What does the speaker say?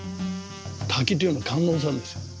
滝というのは観音さんですよ。